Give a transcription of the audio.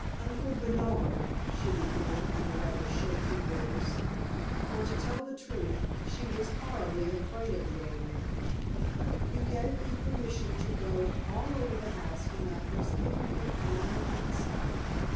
"Uncle Bernard," she began in a rather shaky voice for, to tell the truth, she was horribly afraid of the old man "you gave me permission to go all over the house when I first came here, and I have done so.